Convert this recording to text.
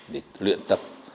để luyện tập